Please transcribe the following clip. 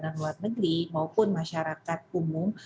kementerian luar negeri maupun masyarakat umum